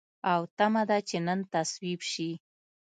او تمه ده چې نن تصویب شي.